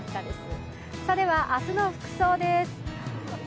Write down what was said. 明日の服装です。